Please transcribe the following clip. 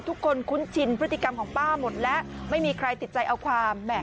คุ้นชินพฤติกรรมของป้าหมดและไม่มีใครติดใจเอาความ